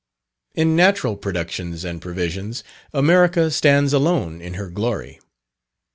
In natural productions and provisions, America stands alone in her glory.